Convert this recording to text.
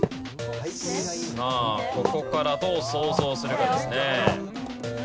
さあここからどう想像するかですね。